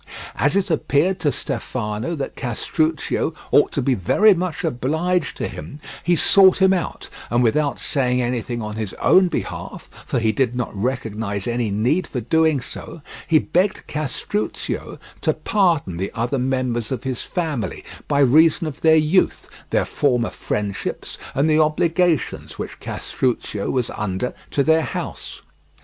As it appeared to Stefano that Castruccio ought to be very much obliged to him, he sought him out, and without saying anything on his own behalf, for he did not recognize any need for doing so, he begged Castruccio to pardon the other members of his family by reason of their youth, their former friendships, and the obligations which Castruccio was under to their house.